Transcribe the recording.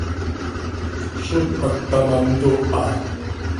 ¿Zó tpacta ma ntooha?